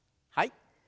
はい。